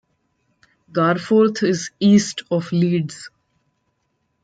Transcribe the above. Garforth is east of Leeds.